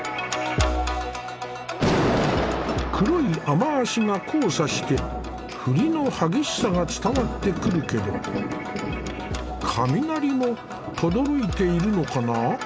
黒い雨脚が交差して降りの激しさが伝わってくるけど雷もとどろいているのかな。